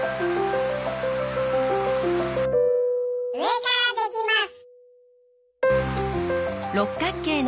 うえからできます。